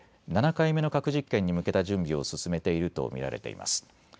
７回目の核実験に向けた準備を進めていると見られています。